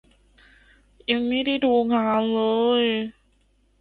ยังไม่ได้ดูงานเลย